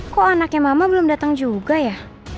kok anaknya mama belum datang juga ya